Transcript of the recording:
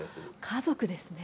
家族ですね。